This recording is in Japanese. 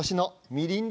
みりん！？